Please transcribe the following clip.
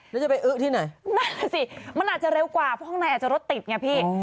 แล้วจะไปอื้อที่ไหนนั่นแหละสิมันอาจจะเร็วกว่าเพราะข้างในอาจจะรถติดไงพี่